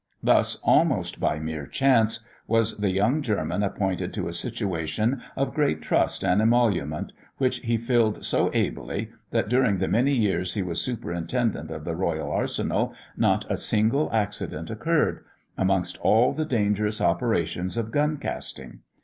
Thus, almost by mere chance, was the young German appointed to a situation of great trust and emolument, which he filled so ably, that during the many years he was superintendent of the Royal Arsenal, not a single accident occurred, amidst all the dangerous operations of gun casting.